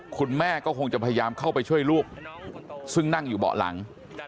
คุณแม่ก็คงจะพยายามเข้าไปช่วยลูกซึ่งนั่งอยู่เบาะหลัง